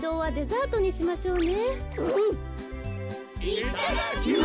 ・いっただきます！